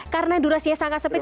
karena durasinya sangat sempit